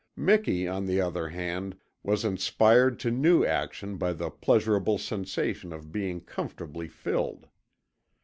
Miki, on the other hand, was inspired to new action by the pleasurable sensation of being comfortably filled.